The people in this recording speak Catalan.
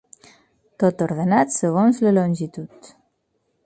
Tot ordenat segons la longitud.